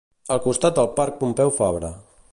Al costat del parc Pompeu Fabra